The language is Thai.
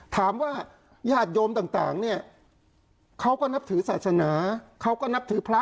ญาติโยมต่างเนี่ยเขาก็นับถือศาสนาเขาก็นับถือพระ